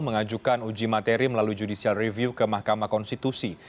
mengajukan uji materi melalui judicial review ke mahkamah konstitusi